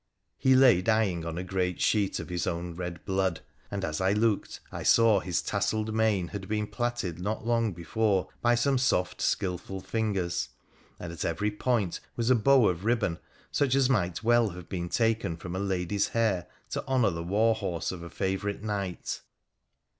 He lay dying on a great sheet of his own red blood, and as I looked I saw his tasselled main had been plaited not long before by some soft skilful fingers, and at every point was a bow of ribbon, such as might well have been taken from a lady's hair to honour the war horse of a favourite knight.